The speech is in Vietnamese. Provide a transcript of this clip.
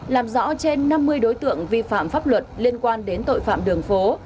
làm rõ trên năm mươi đối tượng vi phạm pháp luật liên quan đến tội phạm đường phố